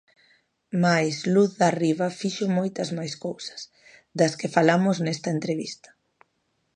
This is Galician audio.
Mais Luz Darriba fixo moitas máis cousas, das que falamos nesta entrevista.